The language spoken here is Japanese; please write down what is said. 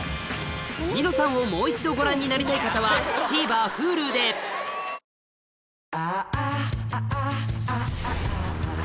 『ニノさん』をもう一度ご覧になりたい方は ＴＶｅｒＨｕｌｕ で彼の名はペイトク